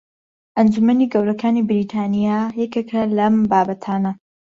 ئەنجومەنی گەورەکانی بەریتانیا یەکێکە لەم بابەتانە